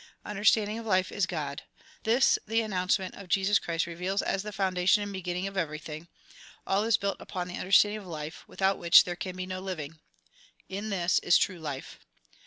Understanding of life is God. This the announce ment of Jesus Christ reveals as the foundation and beginning of everything. All is built upon the understanding of life, without which there can be no living. In this is true life.